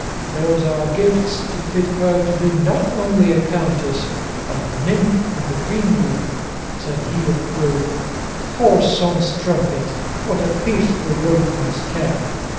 "Those are gifts to fit her to be not only a countess but a nymph of the greenwood," said he of the Grove; "whoreson strumpet! what pith the rogue must have!"